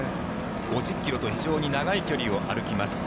５０ｋｍと非常に長い距離を歩きます。